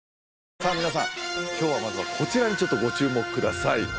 さあ皆さん今日はまずはこちらにちょっとご注目ください